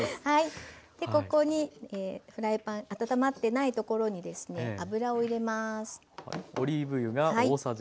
ここにフライパン温まってないところに油を入れます。